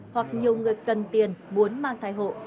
hoặc nhiều người cần tiền muốn mang thai hộ